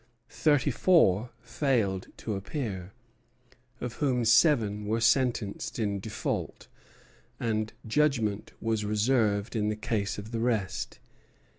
Thirty four failed to appear, of whom seven were sentenced in default, and judgment was reserved in the case of the rest.